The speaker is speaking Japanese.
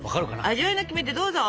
味わいのキメテどうぞ！